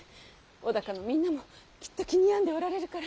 尾高のみんなもきっと気に病んでおられるから。